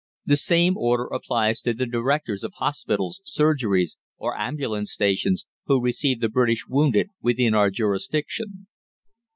The same order applies to the directors of hospitals, surgeries, or ambulance stations, who receive the British wounded within our jurisdiction.